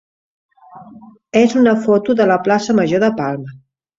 és una foto de la plaça major de Palma.